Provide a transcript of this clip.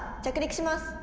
着陸します」。